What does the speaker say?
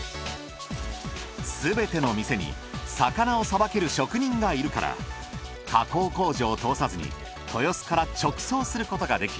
すべての店に魚をさばける職人がいるから加工工場を通さずに豊洲から直送することができ